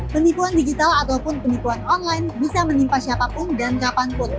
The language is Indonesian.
penipuan digital ataupun penipuan online bisa menimpa siapapun dan kapanpun